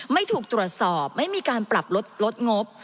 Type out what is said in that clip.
ไม่ถูกตรวจสอบไม่มีการปรับลดงบ